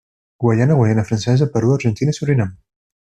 Guaiana, Guaiana Francesa, Perú, Argentina i Surinam.